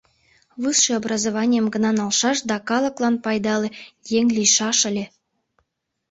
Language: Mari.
Высший образованийым гына налшаш да калыклан пайдале еҥ лийшаш ыле.